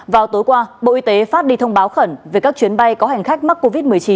vào tối qua bộ y tế phát đi thông báo khẩn về các chuyến bay có hành khách mắc covid một mươi chín